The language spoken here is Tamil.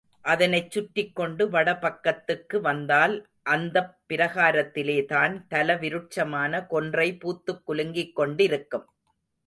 அதனைச் சுற்றிக் கொண்டு வடபக்கத்துக்கு வந்தால் அந்தப் பிராகாரத்திலேதான் தல விருட்சமான கொன்றை பூத்துக் குலுங்கிக் கொண்டிருக்கும்.